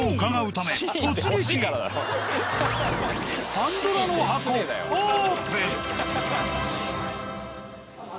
パンドラの箱オープン！